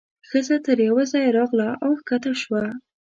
ښځه تر یوه ځایه راغله او کښته شوه.